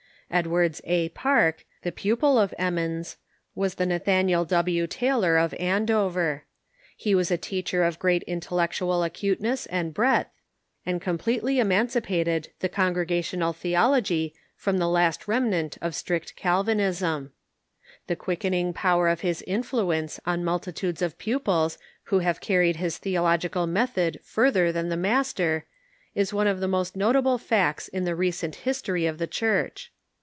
Edwards A. Park, the pupil of Emmons, was the Nathaniel W. Taylor of Andover. He was a teacher of great in tellectual acuteness and breadth, and completely emancipated the Congregational theology from the last remnant of strict Calvinism. The quickening power of his influence on multi tudes of pupils who have carried his theological method fur ther than the master is one of the most notable facts in the G30 THE CHURCH IX THE UXITED STATES recent history of the Church.